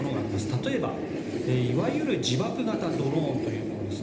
例えば、いわゆる自爆型ドローンというものです。